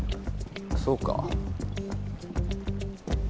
そうか。